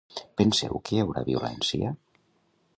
Penseu que hi haurà violència?